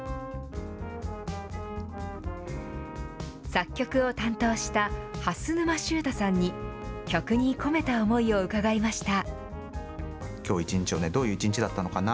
作曲を担当した蓮沼執太さんに、曲に込めた思いを伺いました。